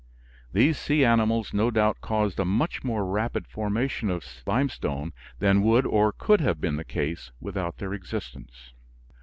These sea animals no doubt caused a much more rapid formation of limestone than would or could have been the case without their existence.